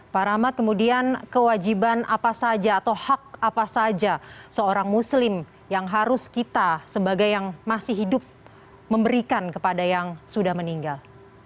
pak rahmat kemudian kewajiban apa saja atau hak apa saja seorang muslim yang harus kita sebagai yang masih hidup memberikan kepada yang sudah meninggal